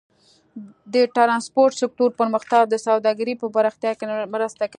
د ټرانسپورټ سکتور پرمختګ د سوداګرۍ په پراختیا کې مرسته کوي.